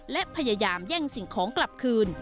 และพยายามแย่งสิ่งของกลับคืน